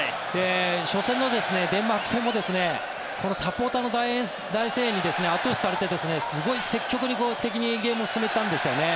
初戦のデンマーク戦もこのサポーターの大声援に後押しされて、すごい積極的にゲームを進めたんですよね。